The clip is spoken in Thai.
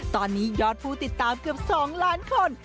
ตอนนี้ยอดผู้ติดตามเกือบ๒ล้านคน